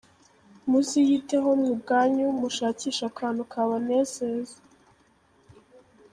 Muziyiteho mwe ubwanyu mushakishe akantu kabanezeza.